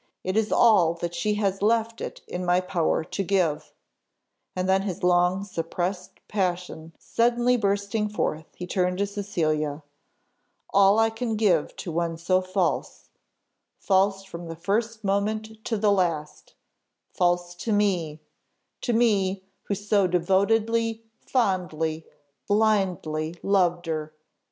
"It is all that she has left it in my power to give;" and then his long suppressed passion suddenly bursting forth, he turned to Cecilia. "All I can give to one so false false from the first moment to the last false to me to me! who so devotedly, fondly, blindly loved her!"